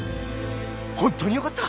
本当によかった！